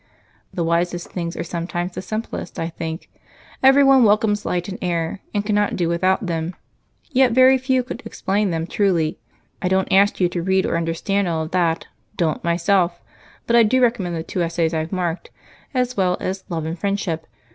"The wisest things are sometimes the simplest, I think. Everyone welcomes light and air, and cannot do without them, yet very few could explain them truly. I don't ask you to read or understand all of that don't myself but I do recommend the two essays I've marked, as well as 'Love' and 'Friendship.'